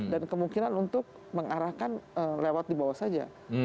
dan kemungkinan untuk mengarahkan lewat di bawah saja